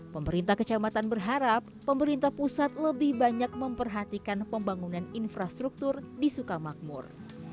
pemerintah kecamatan berharap pemerintah pusat lebih banyak memperhatikan pembangunan infrastruktur di sukamakmur